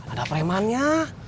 ada preman ya